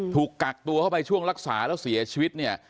ถูกกักตัวเข้าไปช่วงรักษาแล้วเสียชีวิตเนี่ย